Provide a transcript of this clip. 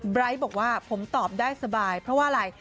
ไร้บอกว่าผมตอบได้สบายเพราะว่าอะไร